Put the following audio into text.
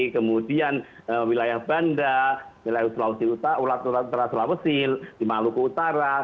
kemudian wilayah banda wilayah sulawesi utara sulawesi di maluku utara